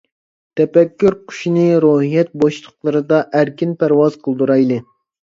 تەپەككۇر قۇشىنى روھىيەت بوشلۇقلىرىدا ئەركىن پەرۋاز قىلدۇرالايدۇ.